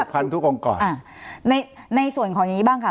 ผู้พันธุ์ทุกองกรอ่ะในในส่วนของอย่างงี้บ้างค่ะ